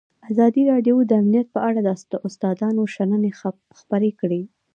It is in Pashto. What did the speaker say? ازادي راډیو د امنیت په اړه د استادانو شننې خپرې کړي.